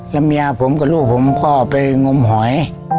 แล้วเมียผมกับลูกผมก็ไปงมหอย